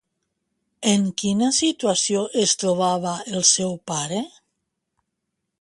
En quina situació es trobava el seu pare?